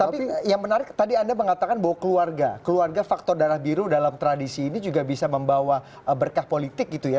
tapi yang menarik tadi anda mengatakan bahwa keluarga keluarga faktor darah biru dalam tradisi ini juga bisa membawa berkah politik gitu ya